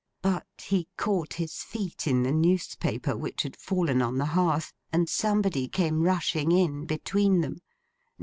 But, he caught his feet in the newspaper, which had fallen on the hearth; and somebody came rushing in between them.